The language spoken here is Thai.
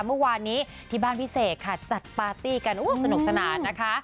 เมื่อวานนี้ที่บ้านพี่เสกค่ะจัดปาร์ตี้กันสนุกสนานนะคะ